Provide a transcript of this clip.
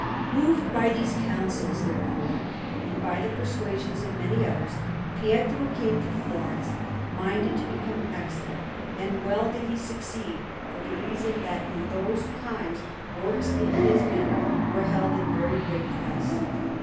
Moved by these counsels, therefore, and by the persuasions of many others, Pietro came to Florence, minded to become excellent; and well did he succeed, for the reason that in those times works in his manner were held in very great price.